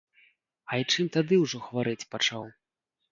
Айчым тады ўжо хварэць пачаў.